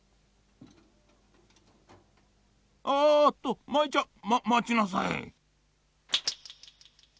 あっと舞ちゃんままちなさい！